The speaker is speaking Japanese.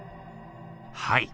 はい。